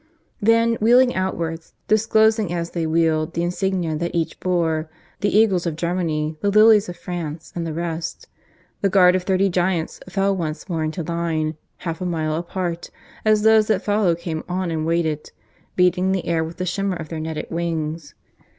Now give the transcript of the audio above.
Then, wheeling outwards, disclosing as they wheeled the insignia that each bore, the eagles of Germany, the lilies of France and the rest, the guard of thirty giants fell once more into line, half a mile apart, as those that followed came on, and waited; beating the air with the shimmer of their netted wings.